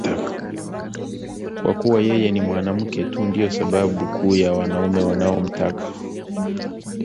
Kwa kuwa yeye ni mwanamke tu ndiyo sababu kuu ya wanaume wanaomtaka